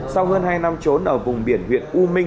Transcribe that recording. sau hơn hai năm trốn ở vùng biển huyện u minh